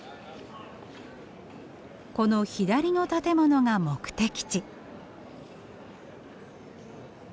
この左の建物が目的地。